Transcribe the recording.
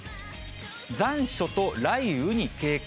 残暑と雷雨に警戒。